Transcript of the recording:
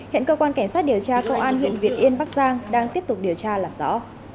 hiện cơ quan cảnh sát điều tra công an huyện việt yên bắc giang đang tiếp tục điều tra làm rõ